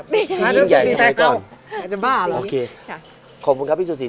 พี่สุสีแต่เกาะอาจจะบ้าแล้วโอเคค่ะขอบคุณครับพี่สุสี